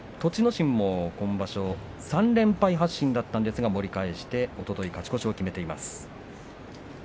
心も今場所、３連敗発進だったんですが盛り返しておととい勝ち越しを決めています。